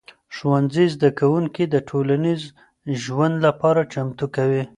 ښوونځي زدهکوونکي د ټولنیز ژوند لپاره چمتو کوي.